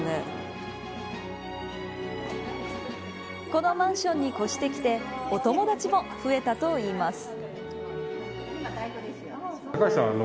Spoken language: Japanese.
このマンションに越してきてお友達も増えたといいます。